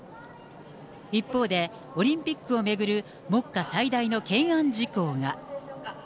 一方で、オリンピックを巡る目下最大の懸案事項が。